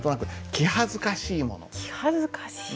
「気はずかしい」？